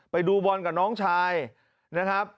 ไปดูบอลกับน้องชายนะครับ